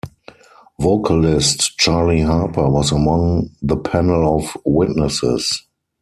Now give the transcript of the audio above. Vocalist Charlie Harper was among the panel of witnesses.